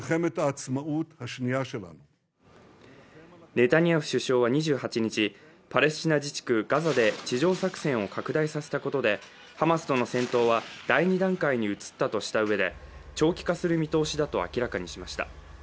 ネタニヤフ首相は２８日、パレスチナ自治区ガザで地上作戦を拡大させたことでハマスとの戦闘は第２段階に移ったとしたうえで長期化する見通しだと明らかにしました。